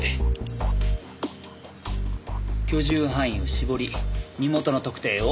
居住範囲を絞り身元の特定を。